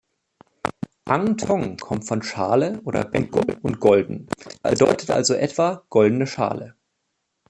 Ang Thong kommt von „Schale“ oder „Becken“ und „golden“, bedeutet also etwa "Goldene Schale".